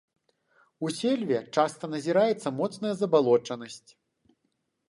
У сельве часта назіраецца моцная забалочанасць.